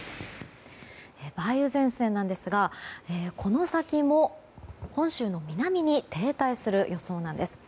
梅雨前線なんですがこの先も本州の南に停滞する予想なんです。